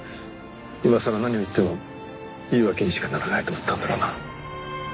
今さら何を言っても言い訳にしかならないと思ったんだろうな。